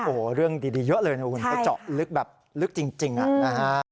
โอ้โหเรื่องดีเยอะเลยนะคุณเขาเจาะลึกแบบลึกจริงนะฮะ